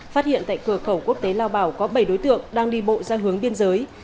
phát hiện tại cửa khẩu quốc tế lao bảo có bảy đối tượng đang đi bộ ra hướng biên giới